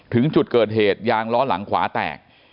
ถึงจุดเกิดเหตุยางล้อหลังขวาแตก